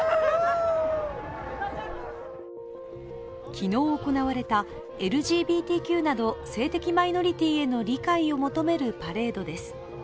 昨日行われた、ＬＧＢＴＱなどの性的マイノリティーへの理解を求めるパレードです。